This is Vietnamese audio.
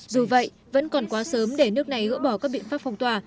dù vậy vẫn còn quá sớm để nước này gỡ bỏ các biện pháp phong tỏa